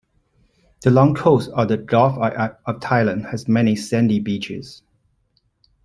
The long coast of the Gulf of Thailand has many sandy beaches.